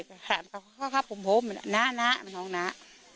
ว่าไหนก็เค้าเค่าใคร่บกกว่าโหม่มหนาหนุ่งหนา